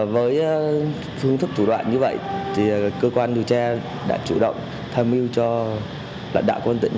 với phương thức thủ đoạn như vậy thì cơ quan điều tra đã chủ động tham mưu cho đạo quân tỉnh